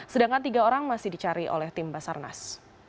sedangkan tiga orang masih dicari oleh tim basarnas